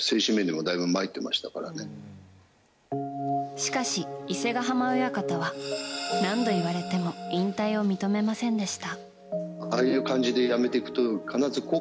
しかし、伊勢ヶ濱親方は何度言われても引退を認めませんでした。